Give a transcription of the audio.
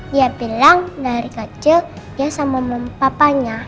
dia bilang dari kecil dia sama papanya